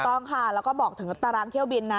ต้องค่ะแล้วก็บอกถึงตารางเที่ยวบินนะ